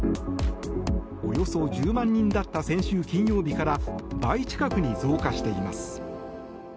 およそ１０万人だった先週金曜日から倍近くに増加しています。